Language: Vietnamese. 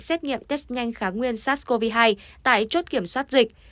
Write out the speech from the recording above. xét nghiệm test nhanh kháng nguyên sát covid hai tại chốt kiểm soát dịch